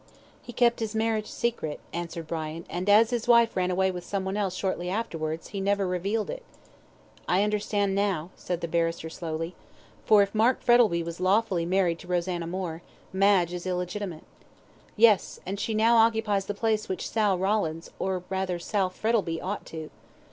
"He kept his marriage secret," answered Brian, "and as his wife ran away with someone else shortly afterwards, he never revealed it." "I understand now," said the barrister, slowly. "For if Mark Frettlby was lawfully married to Rosanna Moore Madge is illegitimate." "Yes, and she now occupies the place which Sal Rawlins or rather Sal Frettlby ought to."